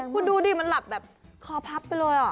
คุณดูดิมันหลับแบบคอพับไปเลย